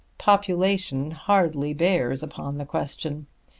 Population hardly bears upon the question.